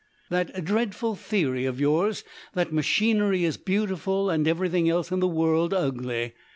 "That dreadful theory of yours that machinery is beautiful, and everything else in the world ugly.